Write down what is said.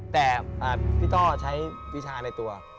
แต่พี่ต้อใช้วิชาในตัว